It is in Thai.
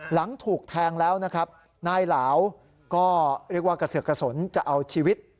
หลังถูกแทงแล้วนะครับนายเหลาก็เรียกว่ากระเสือกกระสนจะเอาชีวิต